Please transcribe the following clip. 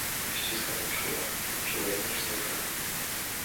"Ściska mnie czule, czulej niż zwykle."